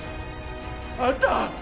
あんた